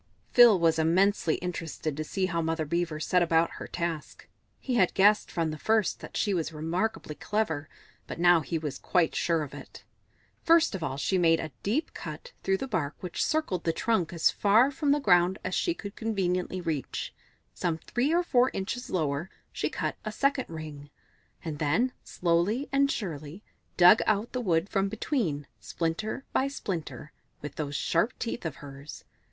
Phil was immensely interested to see how Mother Beaver set about her task; he had guessed from the first that she was remarkably clever, but now he was quite sure of it. First of all she made a deep cut through the bark which circled the trunk as far from the ground as she could conveniently reach. Some three or four inches lower she cut a second ring, and then, slowly and surely, dug out the wood from between, splinter by splinter, with those sharp teeth of hers.